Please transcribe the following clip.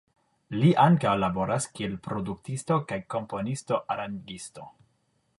Li ankaŭ laboras kiel produktisto kaj komponisto-arangisto.